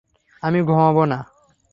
আমি ঘুমাবো না।